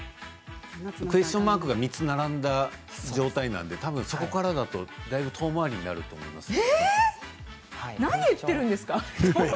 クエスチョンマークが３つ並んだ状態なのでそこからだと遠回りになりますよ。